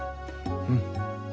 うん。